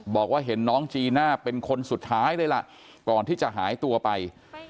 บอกว่าเห็นน้องจีน่าเป็นคนสุดท้ายเลยล่ะก่อนที่จะหายตัวไป